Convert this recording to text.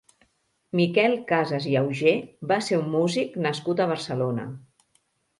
Miquel Casas i Augé va ser un músic nascut a Barcelona.